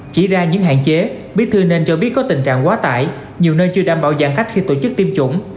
chỉ ra những hạn chế bí thư nên cho biết có tình trạng quá tải nhiều nơi chưa đảm bảo giãn cách khi tổ chức tiêm chủng